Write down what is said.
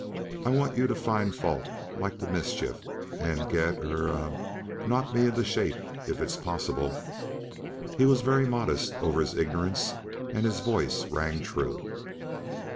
And I want you to find fault like the mischief, and er knock me into shape, if it's possible." He was very modest over his ignorance, and his voice rang true.